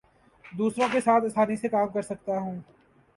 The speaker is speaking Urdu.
دوسروں کے ساتھ آسانی سے کام کر سکتا ہوں